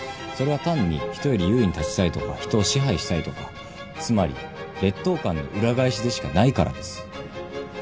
それは単に人より優位に立ちたいとか人を支配したいとかつまり劣等感の裏返しでしかないからです。